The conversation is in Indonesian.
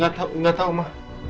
gak tau gak tau ma